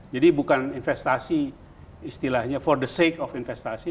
jadi bukan investasi istilahnya for the sake of investasi